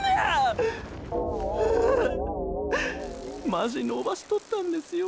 マジのばしとったんですよ